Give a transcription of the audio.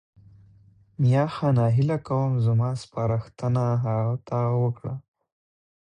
میاخانه هیله کوم زما سپارښتنه هغه ته وکړه.